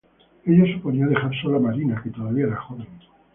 Ello suponía dejar sola a Marina, que todavía era joven.